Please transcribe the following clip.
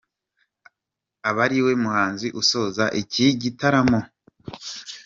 aba ariwe muhanzi usoza iki gitaramo.